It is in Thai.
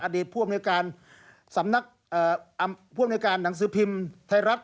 อดีตผู้อำนวยการหนังสือพิมพ์ไทยรัฐ